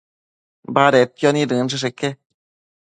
Baded nid inchësheque